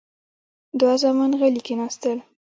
دوه زامن غلي کېناستل.